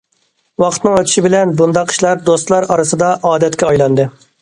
ۋاقىتنىڭ ئۆتۈشى بىلەن بۇنداق ئىشلار دوستلار ئارىسىدا ئادەتكە ئايلاندى.